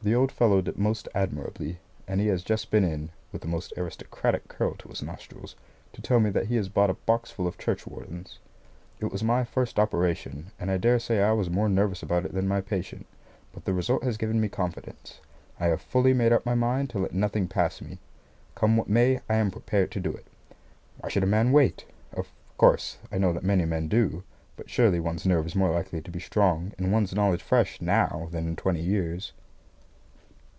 The old fellow did most admirably, and he has just been in (with a most aristocratic curl to his nostrils) to tell me that he has bought a box full of churchwardens. It was my first operation, and I daresay I was more nervous about it than my patient, but the result has given me confidence. I have fully made up my mind to let nothing pass me. Come what may, I am prepared to do it. Why should a man wait? Of course, I know that many men do; but surely one's nerve is more likely to be strong and one's knowledge fresh now than in twenty years.